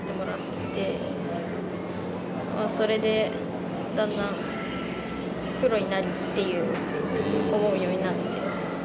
それでだんだんっていう思うようになって。